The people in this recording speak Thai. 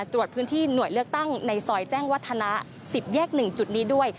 ตรวจพื้นที่หน่วยเลือกตั้งในซอยแจ้งวัฒนะ๑๐แยก๑จุดนี้ด้วย